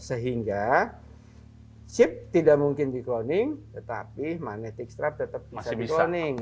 sehingga chip tidak mungkin dikloning tetapi magnetic stripe tetap bisa dikloning